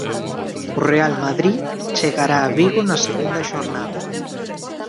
O Real Madrid chegará a Vigo na segunda xornada.